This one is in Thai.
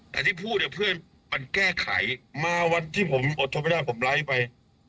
แต่ที่พูดเนี่ยเพื่อมันแก้ไขมาวันที่ผมอดทนไม่ได้ผมไลค์ไป